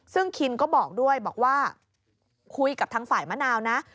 ซึ่งคินก็บอกด้วยบอกว่าคุยกับทางฝ่ายมะนาวนะ